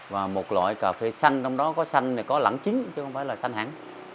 và một loại cà phê xanh trong đó có xanh này có lẳng chính chứ không phải là xanh hẳn